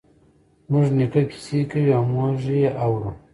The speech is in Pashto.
زموږ نیکه کیسې کوی او موږ یی اورو